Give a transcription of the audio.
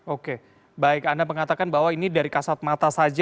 oke baik anda mengatakan bahwa ini dari kasat mata saja